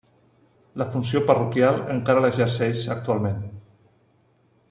La funció parroquial encara l'exerceix actualment.